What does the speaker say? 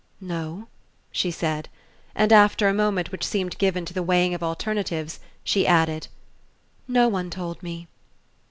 "No," she said; and after a moment which seemed given to the weighing of alternatives, she added: "No one told me."